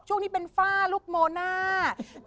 ช่วงนี้เป็นฝ้าลูกโมน่า